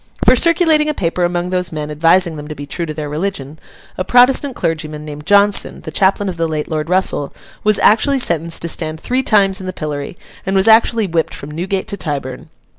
For circulating a paper among those men advising them to be true to their religion, a Protestant clergyman, named Johnson, the chaplain of the late Lord Russell, was actually sentenced to stand three times in the pillory, and was actually whipped from Newgate to Tyburn.